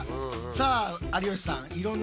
さあ有吉さん